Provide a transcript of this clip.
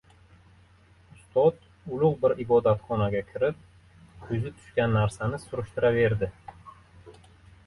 Ustod, ulug‘ bir ibodatxonaga kirib, ko‘zi tushgan narsani surishtiraverdi.